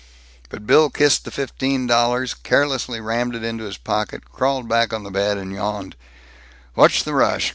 But Bill kissed the fifteen dollars, carelessly rammed it into his pocket, crawled back on the bed, yawned, "What's the rush?